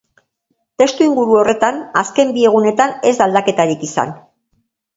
Testuinguru horretan, azken bi egunetan ez da aldaketarik izan.